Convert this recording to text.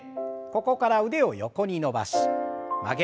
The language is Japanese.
ここから腕を横に伸ばし曲げて。